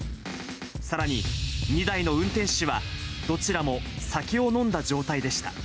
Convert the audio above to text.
さらに、２台の運転手はどちらも酒を飲んだ状態でした。